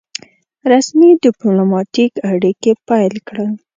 رسمي ډيپلوماټیک اړیکي پیل کړل.